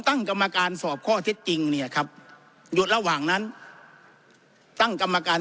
ตั้งกรรมการสอบข้อเท็จจริงเนี่ยครับระหว่างนั้นตั้งกรรมการ